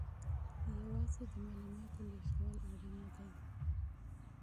یوازې د معلوماتو لېږدول اړین نه دي.